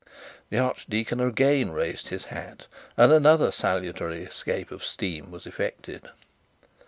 The archdeacon again raised his hat; and another salutary escape of steam was effected.